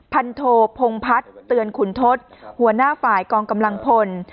พันโทพงพัฒน์เตือนขุนทศหัวหน้าฝ่ายกองกำลังพล